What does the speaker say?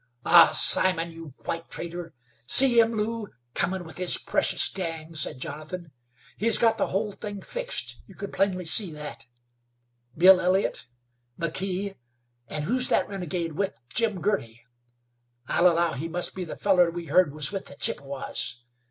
"Ah! Simon you white traitor! See him, Lew, comin' with his precious gang," said Jonathan. "He's got the whole thing fixed, you can plainly see that. Bill Elliott, McKee; and who's that renegade with Jim Girty? I'll allow he must be the fellar we heard was with the Chippewas.